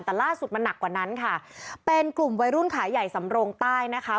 แต่ล่าสุดมันหนักกว่านั้นค่ะเป็นกลุ่มวัยรุ่นขายใหญ่สำรงใต้นะคะ